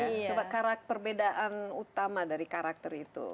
coba perbedaan utama dari karakter itu